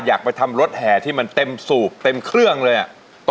อยากไปทำรถแห่ที่มันเต็มสูบเต็มเครื่องเลยอ่ะ